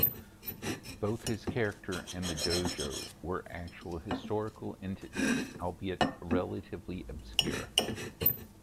Both his character and the dojo were actual historical entities, albeit relatively obscure.